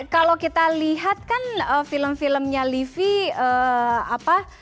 kalau kita lihat kan film filmnya livi apa